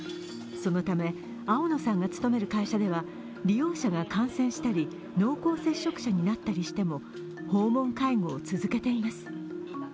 そのため青野さんが勤める会社では、利用者が感染したり濃厚接触者になったりしても訪問介護を続けています。